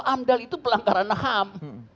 amdal itu pelanggaran ham